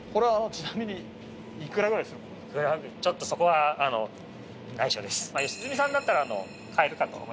それはちょっとそこは内緒です。